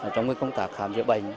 trong công tác khám